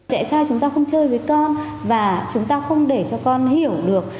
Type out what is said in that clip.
tại sao chúng ta không chơi với con và chúng ta không để cho con hiểu được